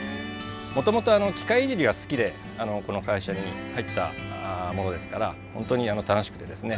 もともと機械いじりが好きでこの会社に入ったものですから本当に楽しくてですね